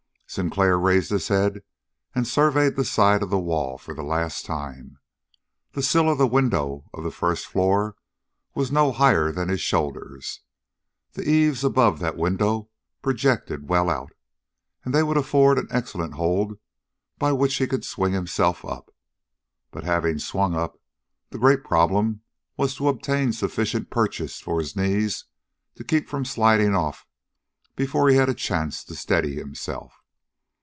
Sinclair raised his head and surveyed the side of the wall for the last time. The sill of the window of the first floor was no higher than his shoulders. The eaves above that window projected well out, and they would afford an excellent hold by which he could swing himself up. But having swung up, the great problem was to obtain sufficient purchase for his knee to keep from sliding off before he had a chance to steady himself.